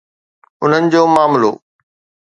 انهن جو معاملو؟